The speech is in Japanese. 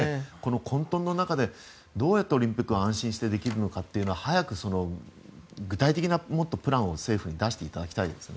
混とんの中でどうやってオリンピックを安心してできるのかという具体的なプランを早く政府に出していただきたいですよね。